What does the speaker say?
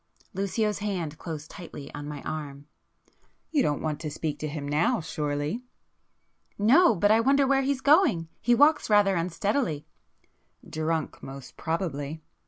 Lucio's hand closed tightly on my arm. "You don't want to speak to him now, surely!" "No. But I wonder where he's going? He walks rather unsteadily." "Drunk, most probably!"